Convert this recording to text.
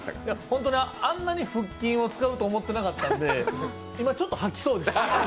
本当にあんなに腹筋を使うと思っていなかったので今ちょっと吐きそうです。